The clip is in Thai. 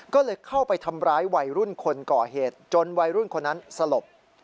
ก็เลยเข้าไปทำร้ายวัยรุ่นคนก่อเหตุจนวัยรุ่นคนนั้นสลบ